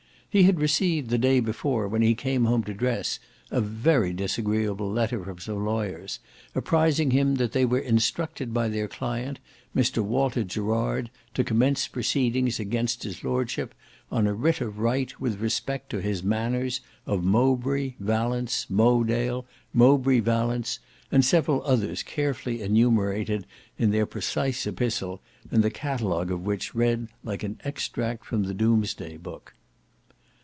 He had received the day before when he came home to dress a very disagreeable letter from some lawyers, apprising him that they were instructed by their client Mr Walter Gerard to commence proceedings against his lordship on a writ of right with respect to his manors of Mowbray, Valence, Mowedale, Mowbray Valence, and several others carefully enumerated in their precise epistle, and the catalogue of which read like an extract from Domesday Book.